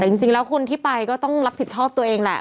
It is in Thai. แต่จริงแล้วคนที่ไปก็ต้องรับผิดชอบตัวเองแหละ